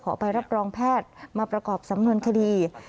ไปรับรองแพทย์มาประกอบสำนวนคดี